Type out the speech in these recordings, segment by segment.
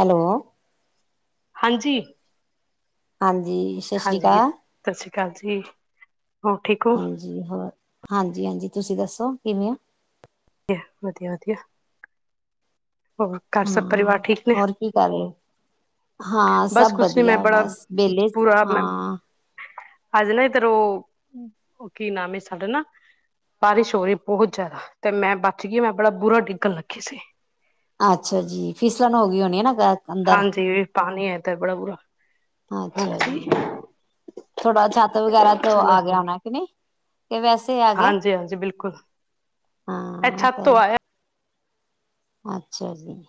Hello. ਹਾਂਜੀ। ਹਾਂਜੀ। ਸ੍ਰੀ ਹਾਂਜੀ, ਅਕਾਲ ਸਤਿ ਸ੍ਰੀ ਅਕਾਲ ਜੀ, ਹੋਰ ਠੀਕ ਹੋ? ਜੀ ਹੋਰ, ਹਾਂਜੀ-ਹਾਂਜੀ, ਤੁਸੀਂ ਦੱਸੋ ਕਿਵੇਂ ਹੋ? ਵਧੀਆ-ਵਧੀਆ। ਹੋਰ ਕਾਰ ਸਭ ਹਾਂ ਪਰਿਵਾਰ ਠੀਕ ਨੇ। ਹੋਰ ਕੀ ਕਰ ਰਹੇ ਹਾਂ ਬਸ ਸਭ ਕੁਛ ਨਹੀਂ ਮੈਂ ਵਧੀਆ ਬਸ ਵਿਹਲੇ ਬੁਰਾ ਮੈਂ ਹਾਂ ਅੱਜ ਨਾ ਇਧਰ ਉਹ ਉਹ ਕੀ ਨਾਮ ਐ ਸਾਡੇ ਨਾ ਬਾਰਿਸ਼ ਹੋ ਰਹੀ ਬਹੁਤ ਜ਼ਿਆਦਾ। ਤੇ ਮੈਂ ਬਚ ਗੀ, ਮੈਂ ਬੜਾ ਬੁਰਾ ਡਿੱਗਣ ਰੱਖੀ ਸੀ। ਅੱਛਾ ਜੀ, ਫਿਸਲਨ ਹੋ ਗਈ ਹੋਣੀ ਐ ਨਾ ਗ ਹਾਂਜੀ, ਪਾਣੀ ਐ ਇਦ ਬੜਾ ਬੁਰਾ। ਅੱਛਾ ਹਾਂਜੀ ਜੀ। ਥੋੜਾ ਛੱਤ ਵਗੈਰਾ ਤੋਂ ਚਲੋ ਆ ਗਿਆ ਹੋਣਾ ਕਿ ਨਹੀਂ ਵੈਸੇ ਆ ਗਿਆ ਹਾਂਜੀ-ਹਾਂਜੀ, ਬਿਲਕੁਲ। ਇਹ ਹਾਂ ਛੱਤ ਤੋਂ [unintelligible] ਆਇਆ ਅੱਛਾ ਜੀ।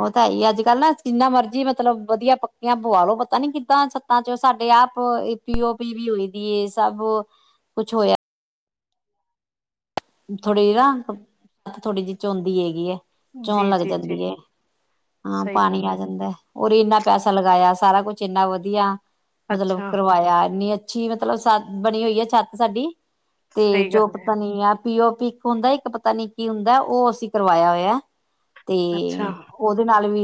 ਉਹ ਤਾਂ ਹੈ ਹੀ ਅੱਜ ਕੱਲ ਨਾ ਜਿੰਨਾ ਮਰਜੀ ਮਤਲਬ ਵਧੀਆ ਪੱਕੀਆਂ ਪੁਆਲੋ ਪਤਾ ਨੀ ਕਿੱਦਾਂ ਤਾਂ ਚ ਸਾਡੇ ਏ ਆਪ ਪੀ-ਓ-ਪੀ ਵੀ ਹੋਈ ਦੀ ਸਭ ਕੁਛ ਹੋਇਆ। ਥੋੜੀ ਨਾ, ਥੋੜੀ ਜਿਹੀ ਚੋਦੀ ਹੈਗੀ ਏ। ਚੋਣ ਜੀ ਲੱਗ ਜੀ ਜੀ ਜਾਂਦੀ ਐ, ਹਾਂ ਸਹੀ ਪਾਣੀ ਗੱਲ ਆ ਹੈ ਜਾਂਦਾ। ਉਰ ਇੰਨਾ ਪੈਸਾ ਲਗਾਇਆ ਸਾਰਾ ਕੁਛ ਇੰਨਾ ਵਧੀਆ ਮਤਲਬ ਅੱਛਾ ਕਰਵਾਇਆ ਇਨੀ ਅੱਛ ਛੀ ਮਤਲਬ ਸੱਤ ਬਣੀ ਹੋਈ ਹੈ ਛੱਤ ਸਾਡੀ ਤੇ ਸਹੀ ਜੋ ਗੱਲ ਹੈ ਪਤਾ ਨੀ ਆ ਪੀ-ਓ-ਪੀ ਇੱਕ ਹੁੰਦਾ ਇੱਕ ਪਤਾ ਨੀ ਕੀ ਹੁੰਦਾ ਉਹ ਅਸੀਂ ਕਰਵਾਇਆ ਹੋਇਆ, ਤੇ ਅੱਛਾ ਉਹਦੇ ਨਾਲ ਵੀ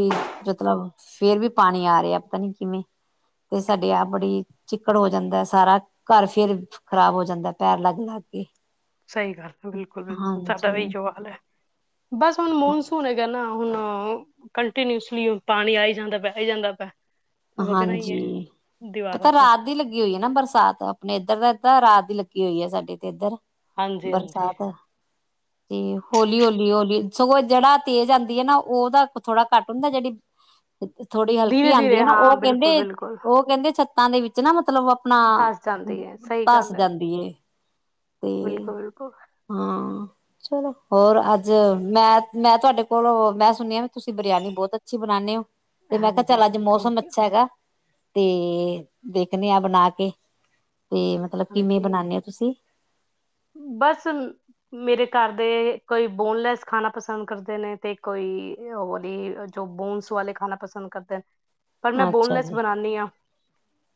ਮਤਲਬ ਫੇਰ ਵੀ ਪਾਣੀ ਆ ਰਿਹਾ ਪਤਾ ਨੀ ਕਿਵੇਂ ਤੇ ਸਾਡੇ ਆਪ ਬੜੀ ਚਿੱਕੜ ਹੋ ਜਾਂਦਾ ਐ ਸਾਰਾ। ਕਾਰ ਫੇਰ ਖ਼ਰਾਬ ਹੋ ਜਾਂਦਾ ਪੈਰ ਲੱਗ ਲੱਗ ਕੇ। ਸਹੀ ਗੱਲ ਐ, ਬਿਲਕੁਲ ਬਿਲਕੁਲ ਸਾਡਾ ਹਾਂਜੀ। ਆਈਓ ਹਾਲ ਐ, ਬਸ ਹੁਣ ਮੌਨਸੂਨ ਹੇਗਾ ਨਾ। ਹੁਣ ਕੰਟੀਨਿਊਸਲੀ ਪਾਣੀ ਆਈ ਜਾਂਦਾ ਪਿਆ ਆਈ ਜਾਂਦਾ ਪਿਆ। ਤੇ ਵਗਣਾ ਹੀ ਹੈ ਹਾਂਜੀ, ਦੀਵਾਰਾਂ ਪਤਾ ਤੋਂ ਰਾਤ ਦੀ ਲੱਗੀ ਹੋਈ ਐ ਨਾ ਬਰਸਾਤ, ਆਪਣੇ ਇੱਧਰ ਤਾ ਰਾਤ ਦੀ ਲੱਗੀ ਹੋਈ ਐ ਸਾਡੇ ਤੇ ਇੱਧਰ। ਹਾਂਜੀ ਹਾਂਜੀ ਬਰਸਾਤ ਤੇ ਹੌਲੀ, ਹੌਲੀ, ਹੌਲੀ, ਸਗੋਂ ਜਿਹੜਾ ਤੇਜ਼ ਆਂਦੀ ਐ ਨਾ ਉਹਦਾ ਥੋੜਾ ਘੱਟ ਹੁੰਦਾ ਜਿਹੜੀ ਥੋੜ੍ਹੀ ਹਲਕੀ ਧੀਰੇ ਆਂਦੀ ਐ ਧੀਰੇ ਨਾ ਹਾਂ ਉਹ ਬਿਲਕੁਲ ਕਹਿੰਦੇ ਬਿਲਕੁਲ ਉਹ ਕਹਿੰਦੇ ਛੱਤਾਂ ਦੇ ਵਿੱਚ ਨਾ ਮਤਲਬ ਆਪਣਾ, ਧਸ ਤਸ ਜਾਂਦੀ ਐ। ਬਿਲਕੁਲ-ਬਿਲਕੁਲ। ਹਾਂ। ਚਲੋ, ਹੋਰ ਅੱਜ ਮੈਂ ਮੈਂ ਤੁਹਾਡੇ ਕੋਲੋ, ਮੈਂ ਸੁਣਿਆ ਤੁਸੀਂ ਬਰਿਆਨੀ ਬਹੁਤ ਅੱਛੀ ਬਣਾਨੇ ਓ। ਤੇ ਮੈਂ ਕਿਹਾ ਹਾਂਜੀ ਚੱਲ ਅੱਜ ਮੌਸਮ ਥੈਂਕ ਯੂ ਅੱਛਾ ਹੈਗਾ ਤੇ ਦੇਖਦੇ ਆ ਬਣਾ ਕੇ, ਤੇ ਮਤਲਬ ਕਿਵੇਂ ਹਾਂਜੀ ਬਣਾਣੇ ਓ ਤੁਸੀਂ ਬਸ ਮੇਰੇ ਘਰ ਦੇ ਕੋਈ ਬੋਨਲੈਸ ਖਾਣਾ ਪਸੰਦ ਕਰਦੇ ਨੇ, ਤੇ ਕੋਈ ਹੋਰ ਹੀ ਜੋ ਬੋਨਸ ਵਾਲੇ ਖਾਣਾ ਪਸੰਦ ਕਰਦੇ [inaudible] ਪਰ ਮੈਂ ਅੱਛਾ ਬੋਨਲੈਸ ਜੀ ਬਣਾਉਦੀ ਹਾਂ।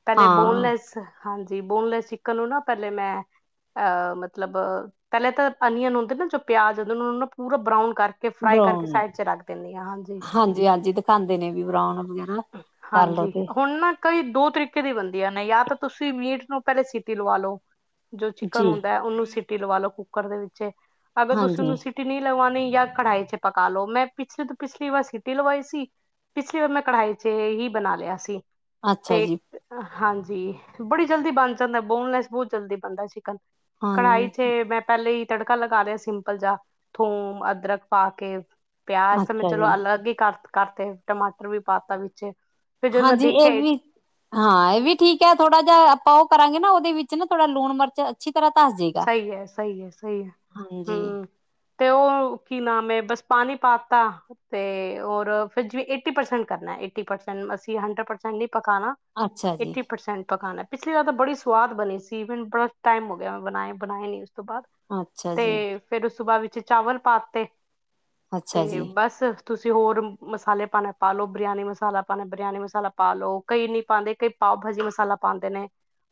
ਪਹਿਲੇ ਹਾਂ ਬੋਨਲੈਸ ਹਾਂਜੀ, ਬੋਨਲੈਸ ਚਿਕਨ ਨੂੰ ਨਾ ਪਹਿਲੇ ਮੈਂ ਅਹ ਮਤਲਬ ਪਹਿਲੇ ਤਾਂ ਅਨੀਅਨ ਹੁੰਦੇ ਨਾ। ਜੋ ਪਿਆਜ ਹੁੰਦੇ ਨੂੰ ਪੂਰਾ ਬਰਾਉਨ ਕਰ ਤੇ ਫਰਾਈ ਕਰਕੇ ਬਰਾਊਨ ਸਾਈਡ ਚ ਰੱਖ ਦਿੰਦੀ ਹਾਂ। ਹਾਂਜੀ ਹਾਂਜੀ ਦਿਖਾਉਂਦੇ ਨੇ ਵੀ ਬਰਾਊਨ ਵਗੈਰਾ ਕਰ ਲਓ ਹਾਂਜੀ ਤੇ ਹੁਣ ਨਾ ਤਰੀ ਦੋ ਤਰੀਕੇ ਦੀ ਬਣਦੀਆਂ ਨੇ, ਜਾਂ ਤਾਂ ਤੁਸੀਂ ਮੀਟ ਨੂੰ ਪਹਿਲੇ ਸੀਟੀ ਲਵਾ ਲਓ। ਜੋ ਚਿਕਨ ਜੀ ਹੁੰ ਉਹਨੂੰ ਸਿਟੀ ਲਵਾ ਲਓ ਕੁੱਕਰ ਦੇ ਵਿਚੇ। ਅਗਰ ਤੁਸੀਂ ਹਾਂਜੀ ਉਹਨੂੰ ਸਟੀ ਨਹੀਂ ਲਵਾਉਣੀ ਜਾਂ ਕੜਾਈ ਚ ਪਕਾ ਲੋ। ਮੈਂ ਪਿਛਲੇ ਤੋਂ ਪਿਛਲੀ ਵਾਰ ਸਿਟੀ ਲਵਾਈ ਸੀ। ਪਿਛਲੀ ਵਾਰ ਮੈਂ ਕੜਾਈ ਚ ਹੀ ਬਣਾ ਲਿਆ ਸੀ। ਅੱਛਾ ਤੇ ਜੀ ਹਾਂਜੀ ਬੜੀ ਜਲਦੀ ਬਣ ਜਾਂਦਾ, ਬੋਨਲੈਸ ਬਹੁਤ ਜਲਦੀ ਬਣਦਾ ਚਿਕਨ ਕੜਾਹੀ ਹਾਂਜੀ ਚ ਮੈਂ ਪਹਿਲੇ ਹੀ ਤੜਕਾ ਲਗਾ ਲਯਾ ਸਿੰਪਲ ਜਾ ਥੋਮ, ਅਦਰਕ ਪਾ ਕੇ ਪਿਆਜ ਤਾਂ ਮੈਂ ਅੱਛਾ ਚਲੋ ਜੀ ਅਲੱਗ ਹੀ ਕਰ ਕਰਤੇ ਟਮਾਟਰ ਵੀ ਪਾ ਤਾ ਵਿੱਚ ਫਿਰ ਜਦੋਂ ਮੈਂ ਹਾਂਜੀ ਇਹ ਦੇਖਿਆ ਵੀ ਹਾਂ ਇਹ ਵੀ ਠੀਕ ਹੈ, ਥੋੜਾ ਜਿਹਾ ਆਪਾਂ ਉਹ ਕਰਾਂਗੇ ਨਾ ਉਹਦੇ ਵਿੱਚ ਨਾ ਥੋੜਾ ਲੂਣ ਮਿਰਚ ਅੱਛੀ ਤਰਾਂ ਤਰਸ ਜਏ ਸਹੀ ਹੈ, ਸਹੀ ਹੈ-ਸਹੀ ਹੈ ਹੂ ਤੇ ਉਹ ਕੀ ਨਾਮ ਹੈ ਬਸ ਪਾਣੀ ਪਾ ਤਾ ਤੇ ਹੋਰ ਵੀ ਏਟੀ ਪਰਸੈਂਟ ਕਰਨਾ ਏਟੀ ਪਰਸੈਂਟ ਅਸੀਂ ਹੰਡਰੇਡ ਪਰਸੈਂਟ ਨੀ ਪਕਾਣਾ ਅੱਛਾ ਜੀ ਏਟੀ ਪਰਸੈਂਟ ਪਕਾਨਾ ਪਿਛਲੀ ਵਾਰ ਤਾਂ ਬੜੀ ਸਵਾਦ ਬਣੀ ਸੀ ਹੁਨ ਬਹੁਤ ਟਾਈਮ ਹੋ ਗਿਆ ਬਣਾਏ-ਬਣਾਏ ਨੀ ਉਸ ਤੋਂ ਬਾਅਦ ਅੱਛਾ ਜੀ ਤੇ ਫਿਰ ਉਸ ਤੋਂ ਬਾਅਦ ਵਿੱਚ ਚਾਵਲ ਪਾ ਤੇ ਅੱਛਾ ਤੇ ਜੀ ਬਸ ਤੁਸੀਂ ਹੋਰ ਮਸਾਲੇ ਪਾਣੇ ਪਾਲੋ। ਬਰਿਆਨੀ ਮਸਾਲਾ ਪਾਣਾ ਬਰਿਆਨੀ ਮਸਾਲਾ ਪਾ ਲੋ ਕਈ ਨਹੀਂ ਪਾਉਂਦੇ, ਕਈ ਪਾਓ ਭਾਜੀ ਮਸਾਲਾ ਪਾਉਂਦੇ ਨੇ,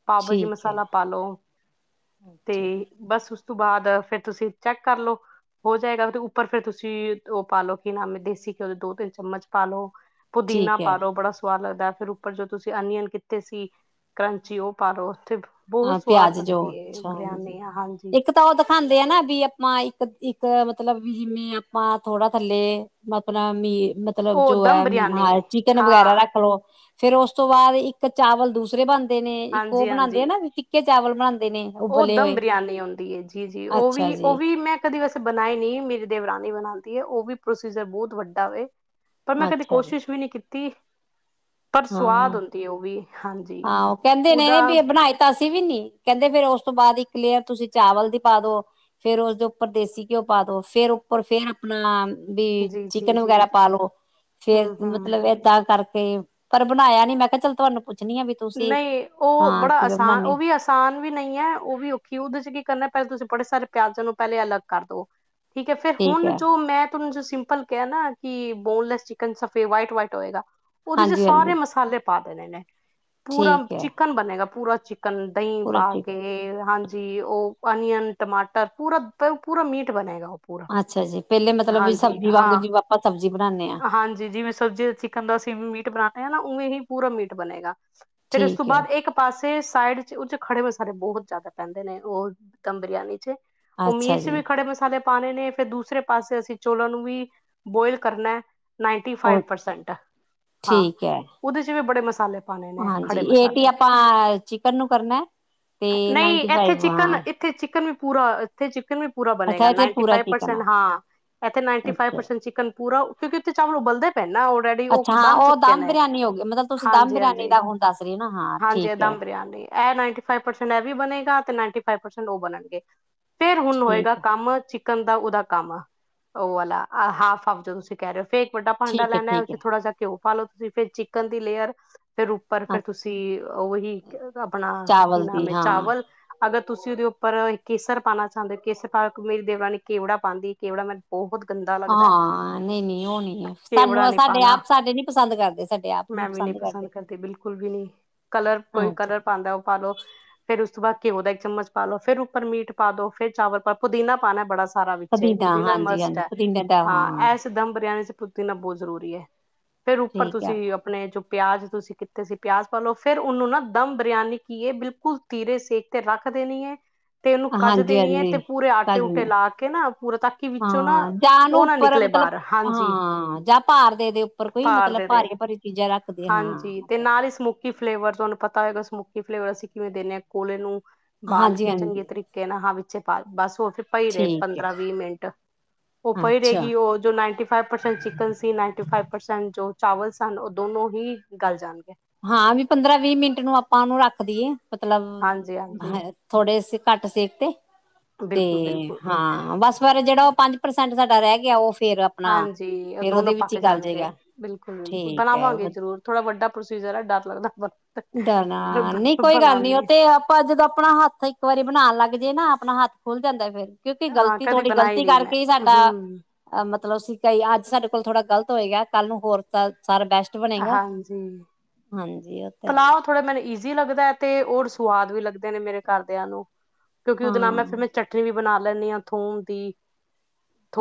ਪਾਓ ਭਾਜੀ ਠੀਕ ਹੈ ਮਸਾਲਾ ਪਾ ਲਉ ਤੇ ਅੱਛਾ ਜੀ ਬਸ ਉਸ ਤੋਂ ਬਾਅਦ ਫਿਰ ਤੁਸੀਂ ਚੈਕ ਕਰਲੋ ਹੋ ਜਾਏਗਾ ਉੱਪਰ ਫਿਰ ਤੁਸੀਂ ਉਹ ਪਾਲੋ ਕੀ ਨਾਮ ਦੇਸੀ ਘਿਓ ਦੇ ਦੋ, ਤਿੰਨ ਚਮਚ ਪਾਲੋ ਪੁਦੀਨਾ ਠੀਕ ਹੈ ਪਾ ਦੋ ਬੜਾ ਸਵਾਦ ਲੱਗਦਾ ਫਿਰ ਉੱਪਰ ਜੋ ਤੁਸੀਂ ਅਨੀਅਨ ਕਿੱਤੇ ਸੀ ਕਰੰਚੀ ਉਹ ਪਾਲੋ ਉੱਥੇ ਬਹੁਤ ਹਾਂ ਸਵਾਦ ਪਿਆਜ ਜੋ ਬਣਦੀ ਹੈ ਅੱਛਾ ਹਾਂਜੀ ਬਿਰਿਆਨੀ ਹਾਂਜੀ ਇੱਕ ਤਾਂ ਉਹ ਦਿਖਾਉਂਦੇ ਆ ਨਾ ਵੀ ਆਪਾਂ ਇੱਕ-ਇੱਕ ਮਤਲਬ ਵੀ ਜਿਵੇਂ ਆਪਾਂ ਥੋੜਾ ਥੱਲੇ ਆਪਣਾ ਮੀ ਮਤਲਬ ਉਹ ਜੋ ਹੈ ਦਮ ਬਰਿਆਨੀ ਹਾਂ ਚਿਕਨ ਹਾਂ ਵਗੈਰਾ ਰੱਖ ਲਓ। ਫਿਰ ਉਸ ਤੋਂ ਬਾਅਦ ਇੱਕ ਚਾਵਲ ਦੂਸਰੇ ਬਣ ਨੇ ਇੱਕ ਉਹ ਬਣਾਉਂਦੇ ਹਾਂਜੀ-ਹਾਂਜੀ ਨਾ ਵੀ ਫਿੱਕੇ ਚਾਵਲ ਬਣਾਉਂਦੇ ਨੇ ਉਹ ਉਬਲੇ ਦਮ ਹੋਏ ਬਰਿਆਨੀ ਆਉਂਦੀ ਏ। ਜੀ ਜੀ ਉਹ ਅੱਛਾ ਵੀ, ਉਹ ਜੀ ਵੀ ਮੈਂ ਕਦੀ ਵੈਸੇ ਬਣਾਏ ਨਹੀਂ ਮੇਰੀ ਦੇਵਰਾਨੀ ਬਣਾਉਂਦੀ ਹੈ। ਉਹ ਵੀ ਪ੍ਰੋਸੀਜਰ ਬਹੁਤ ਵੱਡਾ ਵੇ ਪਰ ਮੈਂ ਕਦੇ ਅੱਛਾ ਜੀ ਕੋਸ਼ਿਸ਼ ਵੀ ਨਹੀਂ ਕੀਤੀ ਪਰ ਸਵਾਦ ਹਾਂ ਹੁੰਦੀ ਹੈ ਉਹ ਵੀ। ਹਾਂਜੀ ਹਾਂ ਉਹ ਕਹਿੰਦੇ ਉਹਦਾ ਨੇ ਵੀ ਬਣਾਏ ਤਾਂ ਅਸੀ ਵੀ ਨੀ। ਕਹਿੰਦੇ ਫਿਰ ਉਸ ਤੋਂ ਬਾਅਦ ਇੱਕ ਲੇਅਰ ਤੁਸੀਂ ਚਾਵਲ ਦੀ ਪਾ ਦੋ ਫਿਰ ਉਸਦੇ ਉੱਪਰ ਦੇਸੀ ਘਿਓ ਪਾ ਦੋ। ਫਿਰ ਉੱਪਰ ਫਿਰ ਆਪਣਾ ਵੀ ਚਿਕਨ ਜੀ-ਜੀ-ਜੀ ਵਗੈਰਾ ਪਾਲੋ, ਫਿਰ ਹੂੰ-ਹੂੰ ਮਤਲਬ ਏਦਾਂ ਕਰਕੇ ਪਰ ਬਣਾਇਆ ਨਹੀਂ। ਮੈਂ ਕਿਹਾ ਚੱਲ ਤੁਹਾਨੂੰ ਪੁੱਛਣੀ ਆ ਵੀ ਤੁਸੀਂ ਨਹੀਂ ਉਹ ਹਾਂ ਬੜਾ ਕਿਵੇਂ ਆਸਾਨ ਬਣਾਉਦੇ ਆ, ਉਹ ਵੀ ਆਸ ਆਸਾਨ ਵੀ ਨਹੀਂ ਹੈ ਉਹ ਵੀ ਔਖੀ ਉਹਦੇ ਚ ਕੀ ਕਰਨਾ ਪਹਿਲੇ ਤੁਸੀਂ ਬੜੇ ਸਾਰੇ ਪਿਆਜ਼ਾਂ ਨੂੰ ਪਹਿਲੇ ਅਲੱਗ ਕਰ ਦੋ। ਠੀਕ ਹੈ ਫਿਰ ਹੁਣ ਜੋ ਮੈਂ ਤੁਸੀ ਜੋ ਸਿੰਪਲ ਕਿਹਾ ਨਾ ਕਿ ਬੋਨਲੇੈਸ ਚਿਕਨ ਸਫੇਦ ਵਾਈਟ ਵਾਈਟ ਹੋਏਗਾ। ਉਹਦੇ ਚ ਹਾਂਜੀ ਹਾਂਜੀ ਸਾਰੇ ਮਸਾਲੇ ਪਾ ਦੇਣੇ ਨੇ। ਪੂਰਾ ਠੀਕ ਹੈ ਚਿਕਨ ਬਣੇਗਾ ਪੂਰਾ ਚਿਕਨ ਦਹੀਂ ਪੂਰਾ ਪਾ ਠੀਕ ਕੇ ਹੈ ਹਾਂਜੀ ਉਹ ਅਨੀਅਨ ਟਮਾਟਰ ਪੂਰਾ ਪੂਰਾ ਮੀਟ ਬਣੇਗਾ ਉਹ। ਅੱਛਾ ਜੀ ਪਹਿਲੇ ਮਤਲਬ ਵੀ ਹਾਂਜੀ ਸਬਜ਼ੀ ਵਾਂਗੂ ਹਾਂ, ਜਿਵੇਂ ਆਪਾਂ ਸਬਜ਼ੀ ਬਣਾਉਦੇ ਹਾਂ ਹਾਂਜੀ ਜਿਵੇਂ ਸਬਜ਼ੀ ਵਿਚ ਕਹਿੰਦਾ ਅਸੀਂ ਮੀਟ ਬਣਾਦੇ ਹਾਂ, ਨਾ ਉਵੇਂ ਹੀ ਪੂਰਾ ਮੀਟ ਬਣੇਗਾ, ਫਿਰ ਉਸ ਤੋਂ ਠੀਕ ਹੈ ਬਾਅਦ ਇੱਕ ਪਾਸੇ ਸਾਈਡ ਚ ਉਹ ਚ ਖੜੇ ਮਸਾਲੇ ਬਹੁਤ ਜ਼ਿਆਦਾ ਪੈਂਦੇ ਨੇ, ਉਹ ਇਕ ਦਮ ਬਰਿਆਨੀ ਚ ਉਹ ਅੱਛਾ ਮੀਟ ਚ ਵੀ ਜੀ ਖੜੇ ਮਸਾਲੇ ਪਾਣੇ ਨੇ, ਫਿਰ ਦੂਸਰੇ ਪਾਸੇ ਅਸੀਂ ਚੋਲਾਂ ਨੂੰ ਵੀ ਬੋਇਲ ਕਰਨਾ। ਨਾਈਨਟੀ ਫਾਈਵ ਉਹ ਪਰਸੈਂਟ, ਹਾਂ ਠੀਕ ਉਹਦੇ ਵੀ ਬੜੇ ਮਸਾਲੇ ਪਾਣੇ ਨੇ। ਜੇ ਖੜੇ ਮਸਾਲੇ ਏਟੀ ਆਪਾਂ ਚਿਕਨ ਨੂੰ ਕਰਨਾ, ਤੇ ਨਹੀਂ ਨਾਈਨਟੀ ਇੱਥੇ ਫਾਈਵ ਚਿਕਨ ਹਾਂ। ਇੱਥੇ ਚਿਕਨ ਵੀ ਪੂਰਾ, ਇੱਥੇ ਚਿਕਨ ਵੀ ਪੂਰਾ ਅੱਛਾ ਬਣੇਗਾ, ਇਥੇ ਨਾਈਨਟੀ ਪੂਰਾ ਫਾਈਵ ਚਿਕਨ ਪਰਸੈਂਟ, ਆ। ਹਾਂ। ਇੱਥੇ ਨਾਈਨਟੀ ਫਾਈਵ ਅੱਛਾ। ਪਰਸੈਂਟ ਚਿਕਨ ਪੂਰਾ, ਉਥੇ ਕਿਉਂਕਿ ਚਾਵਲ ਉਬਲਦੇ ਪਏ ਨੇ ਔਲਰੇਡੀ। ਜੀ ਉਹ ਅੱਛਾ ਹਾਂ ਬਣ ਚੁੱਕੇ ਦਮ ਨੇ, ਬਿਰਿਆਨੀ ਹੋ ਗਈ ਮਤਲਬ ਤੁਸੀਂ ਦਮ ਬਿਰਿਆਨੀ ਹਾਂਜੀ-ਹਾਂਜੀ। ਦਾ ਹੁਣ ਦੱਸ ਰਹੀ ਨਾ, ਹਾਂ। ਹਾਂਜੀ ਠੀਕ ਹੈ। ਇਕਦਮ ਬਰਿਆਨੀ, ਇਹ ਨਾਈਨਟੀ ਫਾਈਵ ਪਰਸੈਂਟ ਇਹ ਵੀ ਬਣੇਗਾ, ਤੇ ਨਾਈਨਟੀ ਫਾਈਵ ਪਰਸੈਂਟ ਉਹ ਬਣਨਗੇ। ਫੇਰ ਹੁਣ ਹੋਏਗਾ ਠੀਕ ਹੈ। ਕੰਮ, ਚਿਕਨ ਦਾ ਉਹਦਾ ਕੰਮ, ਉਹ ਵਾਲਾ ਹਾਫ- ਹਾਫ, ਜਦੋਂ ਅਸੀ ਕਹਿ ਰਹੇ, ਫੇਰ ਇੱਕ ਵੱਡਾ ਭਾਂਡਾ ਠੀਕ ਹੈ ਲੈਣਾ, ਠੀਕ ਹੈ ਥੋੜਾ ਜਿਹਾ ਘਿਓ ਪਾ ਲੋ ਤੁਸੀਂ, ਫੇਰ ਚਿਕਨ ਦੀ ਲੇਅਰ, ਫੇਰ ਪਰ ਹਾਂ ਫਿਰ ਤੁਸੀਂ ਉਹੀ, ਆਪਣਾ ਕੀ ਚਾਵਲ ਨਾਮ ਦੀ ਹੈ ਹਾਂ। ਚਾਵਲ ਅਗਰ ਤੁਸੀਂ ਉਹਦੇ ਉੱਪਰ ਕੇਸਰ ਪਾਣਾ ਚਾਹੁੰਦੇ ਹੋ, ਕੇਸਰ ਪਾ ਮੇਰੀ ਦੇਵਰਾਨੀ ਨੇ ਕੇਵੜਾ ਪਾਂਦੀ ਏ, ਕੇਵੜਾ ਮੈ ਬਹੁਤ ਗੰਦਾ ਲੱਗਦਾ ਹਾਂ-ਹਾਂ, ਨਹੀਂ-ਨਹੀਂ ਉਹ ਨੀ ਹੈ, ਕੇਵੜਾ ਸਾਨੂੰ ਸਾਡੇ ਆਪ ਸਾਡੇ ਨੀ ਪਸੰਦ ਕਰਦੇ, ਸਾਡੇ ਆਪ। ਨੀ ਮੈ ਵੀ ਨਹੀਂ ਕਰਦੇ। ਪਸੰਦ ਕਰਦੀ, ਬਿਲਕੁਲ ਵੀ ਨਹੀਂ, ਕਲਰ ਕੋਈ ਅੱਛਾ ਕਲਰ ਪਾਂਦਾ ਉਹ ਪਾਲੋ। ਫੇਰ ਉਸ ਤੋਂ ਬਾਅਦ ਘਿਓ ਦਾ ਇੱਕ ਚਮਚ ਪਾ ਲੋ, ਫਿਰ ਉੱਪਰ ਮੀਟ ਪਾ ਦੋ, ਫਿਰ ਚਾਵਲ ਦਾ ਪੁਦੀਨਾ ਪਾਣਾ ਬੜਾ ਸਾਰਾ ਵਿੱਚ, ਪੁਦੀਨਾ ਹਾਂਜੀ ਮਸਟ ਹਾਂਜੀ ਹੈ, ਪੁਦੀਨੇ ਦਾ ਹਾਂ ਐ ਇਕਦਮ ਬਰਿਆਨੀ ਚ ਪੁਦੀਣਾ ਬਹੁਤ ਜ਼ਰੂਰੀ ਐ, ਫੇਰ ਉੱਪਰ ਠੀਕ ਆ। ਤੁਸੀਂ ਆਪਣੇ ਜੋ ਪਿਆਜ ਤੁਸੀ ਤੁਸੀਂ ਪਿਆਜ਼ ਪਾ ਲੋ, ਫਿਰ ਉਹਨੂੰ ਨਾ ਦਮ ਬਰਿਆਨੀ ਕੀ ਏ, ਬਿਲਕੁਲ ਤੀਰੇ ਸੇਕ ਤੇ ਰੱਖ ਦੇਣੀ ਐ। ਤੇ ਉਹਨੂੰ ਕੱਜ ਹਾਂਜੀ ਦੇਣੀ ਐ, ਤੇ ਹਾਂਜੀ ਪੂਰੇ ਆਟੇ ਭਾਜੀ ਉਟੇ ਨੇ ਲਾ ਕੇ ਨਾ ਪੂਰਾ ਤਾਂਕਿ ਵਿੱਚੋਂ ਨਾ ਹਾਂ ਜਾਂ ਉਹਨੂੰ ਉਹ ਨਾ ਉੱਪਰ ਨਿਕਲੇ ਮਤਲਬ ਬਾਹਰ ਹਾਂਜੀ ਹਾਂ, ਜਾਂ ਭਾਰ ਦੇਦੇ। ਉੱਪਰ ਕੋਈ ਭਾਰ ਮਤਲਬ ਦੇ ਦੇ ਭਾਰੀਆਂ- ਭਾਰੀਆਂ ਚੀਜ਼ਾਂ ਰੱਖਦੇ, ਹਾਂਜੀ ਹਾਂ। ਤੇ ਨਾਲ ਹੀ ਸਮੋਕੀ ਫਲੇਵਰ ਤੁਹਾਨੂੰ ਪਤਾ ਹੋਏਗਾ ਸਮੋਕੀ ਫਲੇਵਰ, ਅਸੀਂ ਕਿਵੇਂ ਦੇਨੇ ਹਾਂ, ਕੋਲੇ ਨੂੰ ਬਾਲ ਹਾਂਜੀ ਕੇ ਚੰਗੇ ਹਾਂਜੀ ਤਰੀਕੇ ਕਹਿ ਨਾ ਹਾਂ ਵਿੱਚੇ ਪਾ, ਬਸ ਉਹ ਫਿਰ ਪਈ ਰਹੇ ਠੀਕ ਪੰਦਰਾਂ ਹੈ ਵੀਹ ਮਿੰਟ, ਉਹ ਪਈ ਅੱਛਾ ਰਹੇਗੀ, ਉਹ ਜੋ ninety five percent chickens ninety five percent ਜੋ ਚਾਵਲ ਸਨ, ਉਹ ਦੋਨੋਂ ਹੀ ਗਲ ਜਾਣਗੇ। ਹਾਂ, ਵੀ ਪੰਦਰਾਂ ਵੀਹ ਮਿੰਟ ਨੂੰ ਆਪਾਂ ਉਹਨੂੰ ਰੱਖਦੀਏ, ਮਤਲਬ ਹਾਂਜੀ ਹਾਂਜੀ ਥੋੜੇ ਸੇ ਘੱਟ ਸੇਕ ਤੇ, ਬਿਲਕੁਲ ਬਿਲਕੁਲ ਹਾਂ। ਬਸ ਫਿਰ ਜਿਹੜਾ ਉਹ ਪੰਜ ਪ੍ਰਸੈਂਟ ਸਾਡਾ ਰਹਿ ਗਿਆ, ਉਹ ਫੇਰ ਆਪਣਾ ਹਾਂਜੀ, ਉਹ ਫੇਰ ਦੋਨੋ ਉਹਦੇ ਵਿੱਚ ਪੱਕ ਹੀ ਗਲ ਜਾਣਗੇ ਜੇਗਾ ਬਿਲਕੁਲ-ਬਿਲਕੁਲ, ਠੀਕ ਬਣਾਵਾਂਗੇ ਹੈ ਜ਼ਰੂਰ। ਥੋੜਾ ਵੱਡਾ ਪ੍ਰੋਸੀਜਰ ਐ, ਡਰ ਲੱਗਦਾ ਬਹੁਤ। ਡਰਨਾ ਨਹੀਂ, ਕੋਈ ਗੱਲ ਨੀ ਉਹ ਤੇ ਆਪਾਂ ਜਦੋਂ ਆਪਣਾ ਹੱਥ ਇੱਕ ਵਾਰੀ ਬਣਾਣ ਲੱਗ ਜੇ ਨਾ, ਆਪਣਾ ਹੱਥ ਖੁੱਲ ਜਾਂਦਾ ਫਿਰ। ਕਿਉਂਕਿ ਹਾਂ ਗ਼ਲਤੀ, ਕਦੀ ਥੋਡੀ ਬਣਾਈ ਗ਼ਲਤੀ ਨਹੀਂ ਮੈਂ ਕਰਕੇ ਹੀ ਸਾਡਾ ਹਮ ਆ ਮਤਲਬ ਸੀਂ ਕਈ ਅੱਜ ਸਾਡੇ ਕੋਲ ਥੋੜਾ ਗਲਤ ਹੋਏਗਾ, ਕੱਲ੍ਹ ਨੂੰ ਹੋਰ ਨੂੰ ਸਾਰਾ ਬੈਸਟ ਬਣੇਗਾ ਹਾਂਜੀ, ਹਾਂਜੀ ਉਹ ਤਾਂ ਹੈ ਪਲਾਓ ਥੋੜੇ ਮੈਨੇ ਈਜੀ ਈਜ਼ੀ ਲੱਗਦਾ ਐ, ਤੇ ਹੋਰ ਸੁਵਾਦ ਵੀ ਲੱਗਦੇ ਨੇ ਮੇਰੇ ਘਰਦਿਆਂ ਨੂੰ, ਕਿਉਂਕਿ ਉਹਦੇ ਨਾਲ ਹਾਂ ਮੈਂ ਚਟਨੀ ਵੀ ਬਣਾ ਲੈਂਨੀ ਹਾਂ, ਥੋਮ ਦੀ।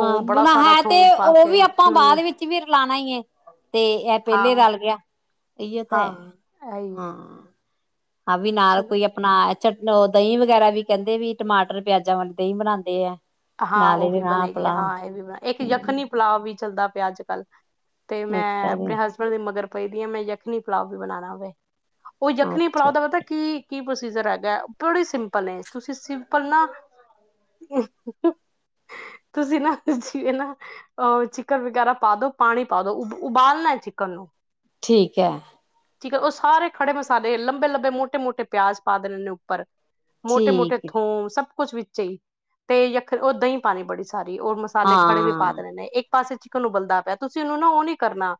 ਹਾਂ ਬੜਾ ਬੁਣਾ ਸਾਰਾ ਹੈ, ਤੇ ਥੋਮ ਪਾ ਉਹ ਕੇ ਵੀ ਆਪਾਂ ਬਾਅਦ ਹਮ ਵਿੱਚ ਵੀ ਰਲਾਣਾ ਈ ਏ, ਤੇ ਇਹ ਪਹਿਲੇ ਹਾਂ ਰਲ ਗਿਆ ਇਹੀਓ ਤਾਂ ਹੈ, ਹਾਂ ਇਹੀ ਹੈ ਹਾਂ। ਹਾਂ ਵੀ ਨਾਲ ਚਲੋ ਕੋਈ ਆਪਣਾ ਚਟ ਦਹੀਂ ਵਗੈਰਾ ਵੀ ਕਹਿੰਦੇ, ਵੀ ਟਮਾਟਰ ਪਿਆਜਾਂ ਵਾਲੀ ਦਹੀਂ ਬਣਾਂਦੇ ਐ। ਹਾਂ ਉਹ ਵੀ ਬਣੇਗੀ, ਹਾਂ ਇਹ ਵੀ ਬ ਇੱਕ ਹਮ ਯਖਣੀ ਪਲਾਵ ਵੀ ਚੱਲਦਾ ਪਿਆ ਅੱਜ-ਕੱਲ੍ਹ, ਤੇ ਮੈਂ ਅੱਛਾ ਜੀ ਆਪਣੇ ਹਸਬੈਂ ਡ ਦੇ ਮਗਰ ਪਈਦੀ ਆ ਮੈਂ, ਜਖਣੀ ਪਲਾਵ ਵੀ ਬਣਾਣਾ ਹੋਵੇ, ਉਹ ਜਖਣੀ ਪਲਾਓ ਅੱਛਾ ਦਾ ਪਤਾ ਕੀ ਕੀ ਪ੍ਰੋਸੀਜਰ ਹੈਗਾ, ਬੜੀ ਸਿੰਪਲ ਨੇ, ਤੁਸੀਂ ਸਿੰਪਲ ਨਾ ਤੁਸੀਂ ਨਾ ਜੀਵੇ ਨਾ ਅਹ ਚਿਕਨ ਵਗੈਰਾ ਪਾ ਦੋ ਪਾਣੀ ਪਾ ਦੋ ਉਬਾਲਣਾ ਹੈ ਚਿਕਨ ਨੂੰ ਠੀਕ ਹੈ। ਠੀਕ ਉਹ ਸਾਰੇ ਖੜੇ ਮਸਾਲੇ ਲੰਬੇ- ਲੰਬੇ, ਮੋਟੇ -ਮੋਟੇ ਪਿਆਜ ਪਾ ਦੇ ਨੇ ਉੱਪਰ ਮੋਟੇ- ਮੋਟੇ ਠੀਕ ਹੈ ਥੋਮ ਸਭ ਕੁਛ ਵਿੱਚ ਹੀ ਤੇ ਯ ਉਹ ਦਹੀਂ ਪਾਉਣੀ ਬੜੀ ਸਾਰੀ ਉਹ ਮਸਾਲੇ ਖੜੇ ਵੀ ਪਾ ਹਾਂ ਦੇਣੇ ਨੇ ਇੱਕ ਪਾਸੇ ਚਕਨ ਨੂੰ ਬਲਦਾ ਪਿਆ ਤੁਸੀਂ ਉਹਨੂੰ ਨਾ ਉਹ ਨੀ ਕਰਨਾ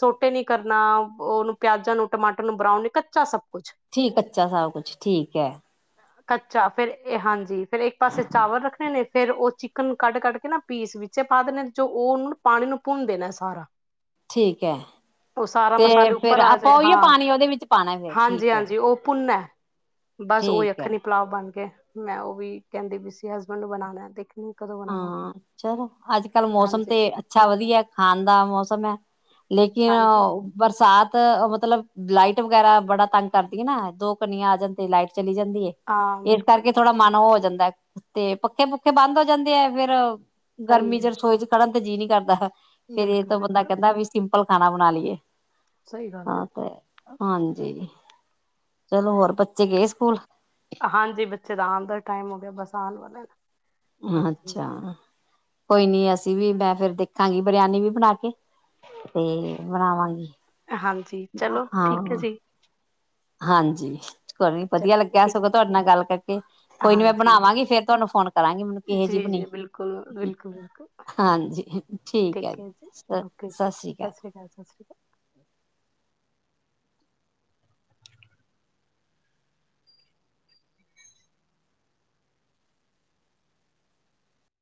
ਸੋਟੇ ਨੀ ਕਰਨਾ ਉਹਨੂੰ ਪਿਆਜਾਂ ਨੂੰ ਟਮਾਟਰ ਨੂੰ ਬਰਾਉਨ ਨੀ ਕੱਚਾ ਸਭ ਕੁਛ ਠੀਕ ਕੱਚਾ ਸਭ ਕੁਛ ਠੀਕ ਹੈ। ਕੱਚਾ ਫੇਰ ਇਹ ਹਾਂਜੀ ਫੇਰ ਇੱਕ ਪਾਸੇ ਚਾਵਲ ਰੱਖ ਫੇਰ ਉਹ ਚਿਕਨ ਕੱਢ ਕੱਢ ਕੇ ਨਾ ਪੀਸ ਵਿੱਚ ਪਾ ਦੇ ਨੇ ਜੋ ਉਹਨ ਨੂੰ ਪਾਣੀ ਨੂੰ ਭੁੰਨਦੇ ਨੇ ਸਾਰਾ ਠੀਕ ਹੈ। ਉਹ ਸਾਰਾ ਤੇ ਮਸਾਲੇ ਫੇਰ ਉੱਪਰ ਆ ਜਾਏ ਆਪਾਂ ਉਹੀਓ ਹਾਂ ਪਾਣੀ ਉਹਦੇ ਵਿੱਚ ਪਾਉਣਾ ਫੇਰ ਹਾਂਜੀ ਠੀਕ ਹੈ ਹਾਂਜੀ ਉਹ ਭੁੰਨ ਹੈ ਬਸ ਉਹੀ ਠੀਕ ਹੈ ਅੱਖਰ ਨੀ ਪਲਾਓ ਬਣ ਗਏ ਮੈਂ ਉਹ ਵੀ ਕਹਿੰਦੇ ਵੀ ਸੀ ਹਸਬੈਂਡ ਨੂੰ ਬਣਾਉਣਾ ਦੇਖ ਹਾਂ ਚਲੋ ਅੱਜ ਕੱਲ ਮੌਸਮ ਹਾਂਜੀ ਤੇ ਅੱਛਾ ਵਧੀਆ ਖਾਣ ਦਾ ਮੌਸਮ ਹੈ। ਲੇਕਿਨ ਹਾਂਜੀ ਬਰਸਾਤ ਮਤਲਬ ਲਾਈਟ ਵਗੈਰਾ ਬੜਾ ਤੰਗ ਕਰਦੀ ਹੈ ਨਾ ਦੋ ਕਨੀਆਂ ਆ ਜਾਂਦੇ ਲਾਈਟ ਚਲੀ ਜਾਂਦੀ ਏ ਹਾਂ ਇਸ ਬਿਲਕੁਲ ਕਰਕੇ ਥੋੜਾ ਮਨ ਉਹ ਹੋ ਜਾਂਦਾ ਤੇ ਪੱਖੇ ਪੁੱਖੇ ਬੰਦ ਹੋ ਜਾਂਦੇ ਆ ਫੇਰ ਸਹੀ ਗਰਮੀ ਚ ਹੈ ਰਸੋਈ ਚ ਖੜਨ ਤੇ ਜੀਅ ਨੀ ਕਰਦਾ ਫੇਰ ਇਹ ਬਿਲਕੁਲ ਤੋਂ ਬੰਦਾ ਬਿਲਕੁਲ ਕਹਿੰਦਾ ਵੀ ਲ ਖਾਣਾ ਬਣਾ ਲਈਏ ਸਹੀ ਗੱਲ ਹੈ ਹਾਂ ਤੇ ਹਾਂਜੀ ਚਲੋ ਹੋਰ ਬੱਚੇ ਗਏ ਸਕੂਲ? ਹਾਂਜੀ ਬੱਚੇ ਦਾ ਆਉਣ ਦਾ ਟਾਈਮ ਹੋ ਗਿਆ ਬਸ ਆਉਣ ਵਾਲੇ ਅੱਛਾ ਕੋਈ ਨੀ ਅਸੀਂ ਵੀ ਮੈਂ ਫਿਰ ਦੇਖਾਂਗੀ ਬਰਿਆਨੀ ਵੀ ਬਣਾ ਕੇ ਤੇ ਬਣਾਵਾਂਗੀ ਹਾਂਜੀ ਚਲੋ ਠੀਕ ਹੈ ਹਾਂ। ਜੀ ਹਾਂਜੀ ਕੋ ਨੀ ਵਧੀਆ ਚਲੋ ਲੱਗਿਆ ਠੀਕ ਸਗੋਂ ਤੁਹਾਡੇ ਨਾਲ ਗੱਲ ਕਰਕੇ ਕੋਈ ਨੀ ਮੈਂ ਹਾਂਜੀ ਬਣਾਵਾਂਗੀ ਫੇਰ ਤੁਹਾਨੂੰ ਫੋਨ ਕਰਾਂਗੀ ਮੈਨੂੰ ਕਿਹੋ ਜਿਹੀ ਜੀ ਬਣੀ ਜੀ ਬਿਲਕੁਲ [unintelligible] ਹਾਂਜੀ ਠੀਕ ਹੈ ਜੀ ਸ ਓਕੇ ਜੀ ਸਤਿ ਸ੍ਰੀ ਅਕਾਲ। ਸ਼੍ਰੀ ਸਤਿ ਸ਼੍ਰੀ ਅਕਾਲ